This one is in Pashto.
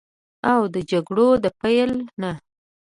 او د جګړو د پیل نه